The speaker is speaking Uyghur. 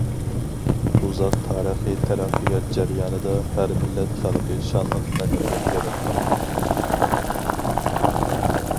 ئۇزاق تارىخىي تەرەققىيات جەريانىدا ھەر مىللەت خەلقى شانلىق مەدەنىيەت ياراتقان.